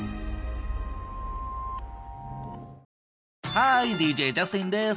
ハーイＤＪジャスティンです！